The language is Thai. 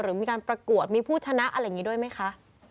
มีการประกวดมีผู้ชนะอะไรอย่างนี้ด้วยไหมคะ